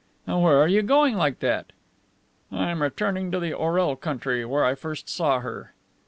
"And where are you going like that?" "I am returning to the Orel country, where I first saw her."